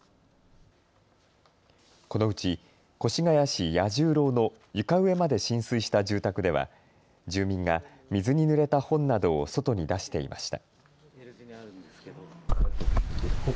このうち越谷市弥十郎の床上まで浸水した住宅では住民が水にぬれた本などを外に出していました。